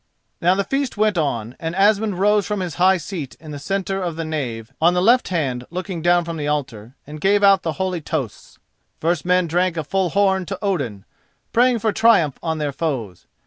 Now the feast went on, and Asmund rose from his high seat in the centre of the nave, on the left hand looking down from the altar, and gave out the holy toasts. First men drank a full horn to Odin, praying for triumph on their foes.